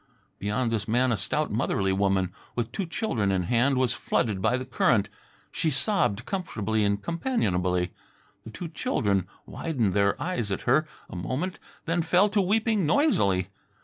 Beyond this man a stout motherly woman, with two children in hand, was flooded by the current. She sobbed comfortably and companionably. The two children widened their eyes at her a moment, then fell to weeping noisily.